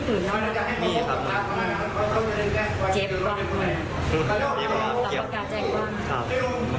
หรือสาเหตุที่เขากระถือแบงค์ก็บ่อยอย่างนั้น